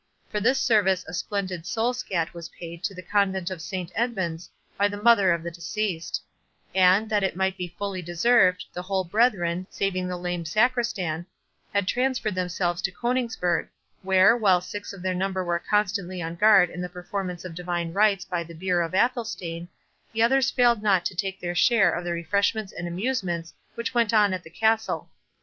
For this service a splendid "soul scat" was paid to the convent of Saint Edmund's by the mother of the deceased; and, that it might be fully deserved, the whole brethren, saving the lame Sacristan, had transferred themselves to Coningsburgh, where, while six of their number were constantly on guard in the performance of divine rites by the bier of Athelstane, the others failed not to take their share of the refreshments and amusements which went on at the castle.